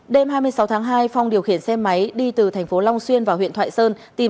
đêm hai mươi sáu tháng hai phong điều khiển xe máy đi từ tp long xuyên vào huyện thoại sơn